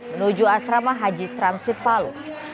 menuju asrama haji transit palu